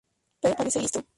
Pedro parece listo".